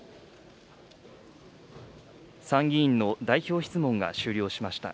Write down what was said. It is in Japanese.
参議院の代表質問が終了しました。